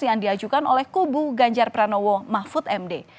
yang diajukan oleh kubu ganjar pranowo mahfud md